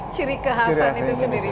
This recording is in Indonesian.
ciri kehasan itu sendiri